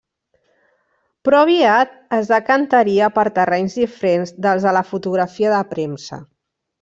Però aviat es decantaria per terrenys diferents dels de la fotografia de premsa.